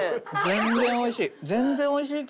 全然おいしい。